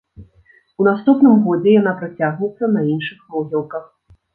У наступным годзе яна працягнецца на іншых могілках.